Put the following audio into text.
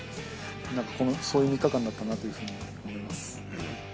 なんかそういう３日間だったなというふうに思います。